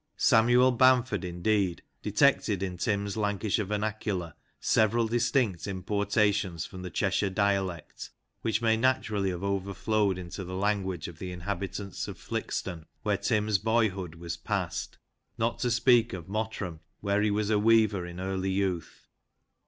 Samuel Bam ford, indeed, detected in Tim's Lancashire vernacular several distinct importations from the Cheshire dialect, which may naturally have overflowed into the language of the inhabit ants of Flixton, where Tim's boyhood was passed, not to speak of Mottram, where he was a weaver in early youth.